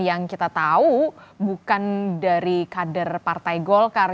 yang kita tahu bukan dari kader partai golkar